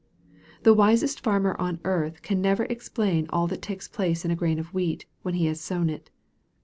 The wisest farmer on earth can never explain all that takes place in a grain of wheat, when he has sown it.